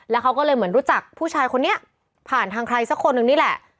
แล้วเขาก็เลยเหมือนรู้จักผู้ชายคนนี้ผ่านทางใครสักคนหนึ่งนี่แหละ